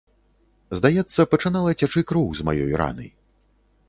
Здаецца, пачынала цячы кроў з маёй раны.